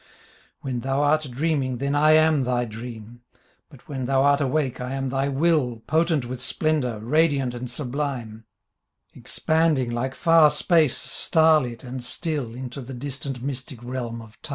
When thou art dreaming then I am thy Dream, But when thou art awake I am thy Will Potent with splendour, radiant and sublime, Expanding like far space star lit and still Into the distant mystic realm of Time.